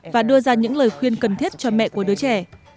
và đưa ra những lời khuyên cần thiết cho mẹ của đứa trẻ